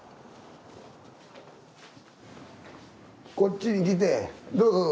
こっちに来てどうぞどうぞ。